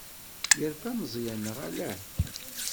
Yerfa Meẓyan, neɣ ala?